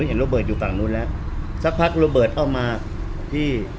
โรเบิร์ตอยู่ฝั่งนู้นแล้วสักพักโรเบิร์ตเข้ามาที่